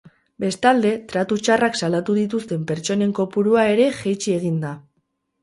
Bestalde, tratu txarrak salatu dituzten pertsonen kopurua ere jaitsi egin da.